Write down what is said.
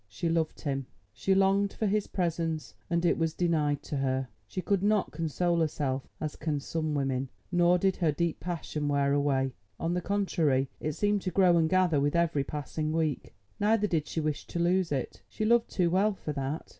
She loved him, she longed for his presence, and it was denied to her. She could not console herself as can some women, nor did her deep passion wear away; on the contrary, it seemed to grow and gather with every passing week. Neither did she wish to lose it, she loved too well for that.